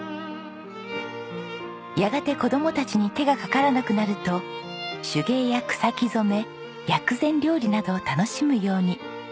やがて子供たちに手がかからなくなると手芸や草木染薬膳料理などを楽しむように。